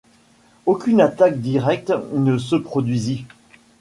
Aucune attaque directe ne se produisit.